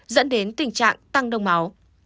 dẫn đến tình trạng tăng đông máu